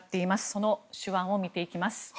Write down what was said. その手腕を見ていきます。